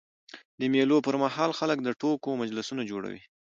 د مېلو پر مهال خلک د ټوکو مجلسونه جوړوي.